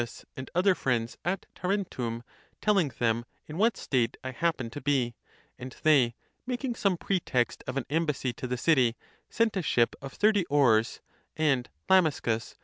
I sent to Archytas, and other friends at Tarentum, telling them in what state I hap pened to be; and they, making ς some pretext of an embassy to the city, sent a ship of thirty oars, and Lamiscus